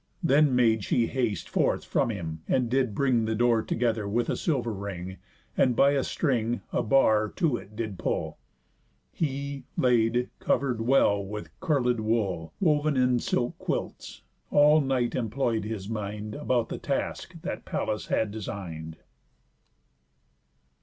Then made she haste forth from him, and did bring The door together with a silver ring, And by a string a bar to it did pull. He, laid, and cover'd well with curled wool Wov'n in silk quilts, all night employ'd his mind About the task that Pallas had design'd.